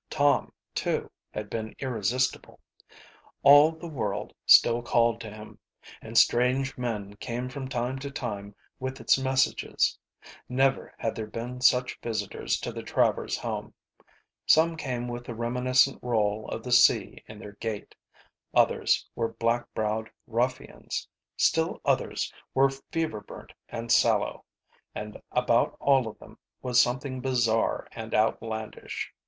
Tom, too, had been irresistible. All the world still called to him, and strange men came from time to time with its messages. Never had there been such visitors to the Travers home. Some came with the reminiscent roll of the sea in their gait. Others were black browed ruffians; still others were fever burnt and sallow; and about all of them was something bizarre and outlandish.